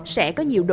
sẽ có nhiều điều